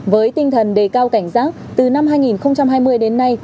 với tinh thần đề cao cảnh giác từ năm hai nghìn hai mươi đến nay